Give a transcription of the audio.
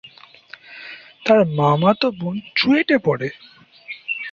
তার মামাতো বোন চুয়েটে পড়ে।